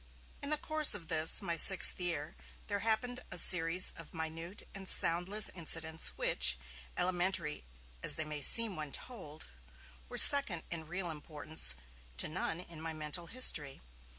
In the course of this, my sixth year, there happened a series of minute and soundless incidents which, elementary as they may seem when told, were second in real importance to none in my mental history.